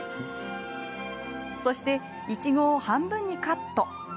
そして、いちごを半分にカット。